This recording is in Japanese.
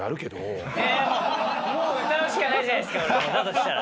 もう歌うしかないじゃないですかだとしたら。